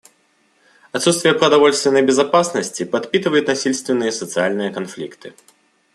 Отсутствие продовольственной безопасности подпитывает насильственные социальные конфликты.